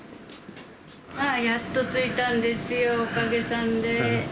やっとついたんですよ、おかげさんで。